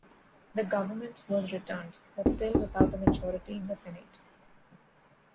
The government was returned, but still without a majority in the Senate.